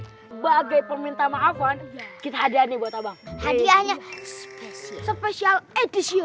sebagai perminta maafan kita ada nih buat abang hadiahnya spesial spesial edisi